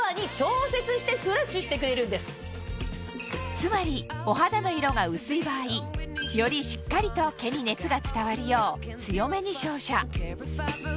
つまりお肌の色が薄い場合よりしっかりと毛に熱が伝わるよう強めに照射逆に濃い場合は